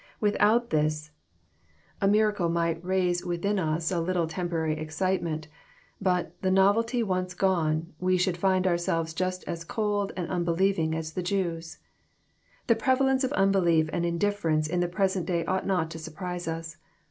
Without this, a miracle might raise within ns a JOHN, CHAP. xn. 359 little temporary excitement ; but, the novelty once gone, we should find ourselves just as cold and unbelieving as the Jews. The prevalence of unbelief and indifference in the present day ought not to surprise us.